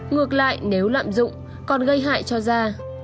ngược lại nếu lạm dụng còn gây hại cho da